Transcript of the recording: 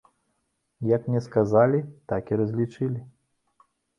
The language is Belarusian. Як мне сказалі, так і разлічылі.